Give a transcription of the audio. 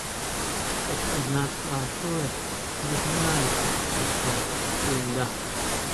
Kasʼejnatʼaxúre nguijñare chuta chuʼnda.